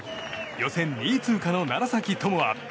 予選２位通過の楢崎智亜。